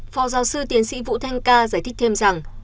phó giáo sư tiến sĩ vũ thanh ca giải thích thêm rằng